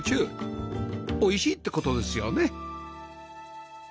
おいしいって事ですよね？